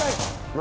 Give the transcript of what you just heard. ・何？